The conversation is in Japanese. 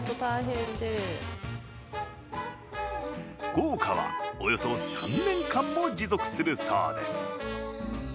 効果は、およそ３年間も持続するそうです。